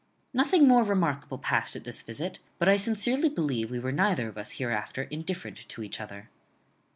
Nothing more remarkable passed at this visit; but I sincerely believe we were neither of us hereafter indifferent to each other.